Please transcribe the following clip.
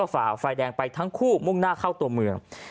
ฝ่าไฟแดงไปทั้งคู่มุ่งหน้าเข้าตัวเมือง